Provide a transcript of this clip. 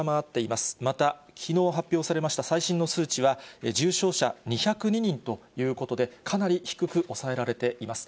またきのう発表されました最新の数値は、重症者２０２人ということで、かなり低く抑えられています。